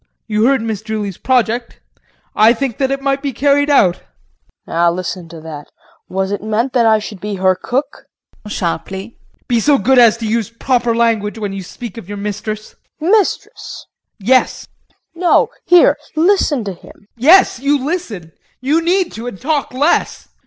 You heard Miss Julie's project, I think it might be carried out. KRISTIN. Now listen to that! Was it meant that I should be her cook JEAN [Sharply]. Be so good as to use proper language when you speak of your mistress. KRISTIN. Mistress? JEAN. Yes. KRISTIN. No hear! Listen to him! JEAN. Yes, you listen you need to, and talk less.